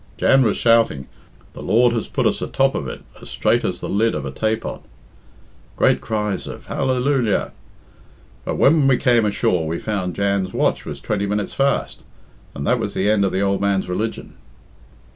"Jan was shouting, 'The Lord has put us atop of it as straight as the lid of a taypot!'" Great cries of "Hallelujah!" "But when we came ashore we found Jan's watch was twenty minutes fast, and that was the end of the ould man's religion."